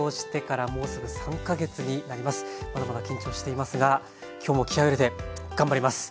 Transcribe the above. まだまだ緊張していますが今日も気合いを入れて頑張ります。